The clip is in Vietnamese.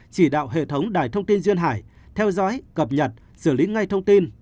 chỉ đạo hệ thống đài thông tin duyên hải theo dõi cập nhật xử lý ngay thông tin